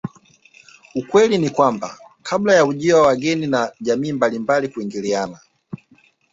Ukweli ni kwamba kabla ya ujio wa wageni na jamii mbalilnmbali kuingiliana